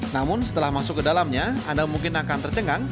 namun setelah masuk ke dalamnya anda mungkin akan tercengang